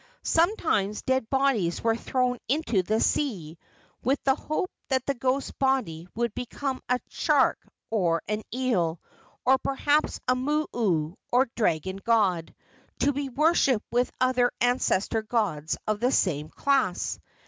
Sometimes dead bodies were thrown into the sea with the hope that the ghost body would become a shark or an eel, or perhaps a mo o, or dragon god, to be worshipped with other ancestor gods of the same class.